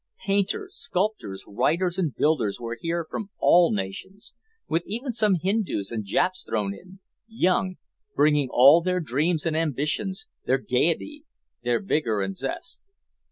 Painters, sculptors, writers and builders were here from all nations, with even some Hindus and Japs thrown in, young, bringing all their dreams and ambitions, their gaiety, their vigor and zest.